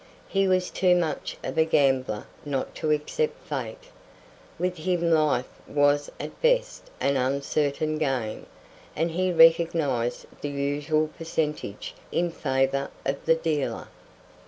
He was too much of a gambler not to accept Fate. With him life was at best an uncertain game, and he recognized the usual percentage in favor of the dealer.